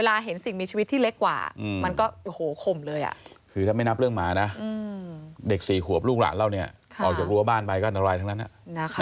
ลูกหลานเราเนี่ยออกจากรั้วบ้านไปก็อะไรทั้งนั้นอะ